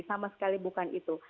sama sekali bukan itu